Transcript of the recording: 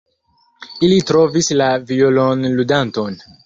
Ili trovis la violonludanton.